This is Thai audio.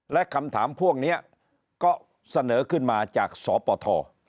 และคำถามพวกนี้ก็เสนอขึ้นมาจากสปท